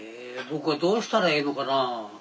僕はどうしたらええのかな。